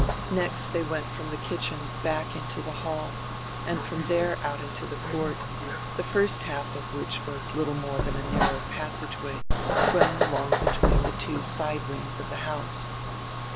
Next they went from tire kitchen back into tire hall and fronr there out into tire court, tire first half of which was little more than a narrow passage way running along between tire two side wings of tire house.